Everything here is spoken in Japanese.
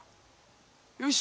よし！